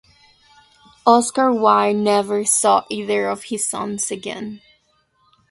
Oscar Wilde never saw either of his sons again.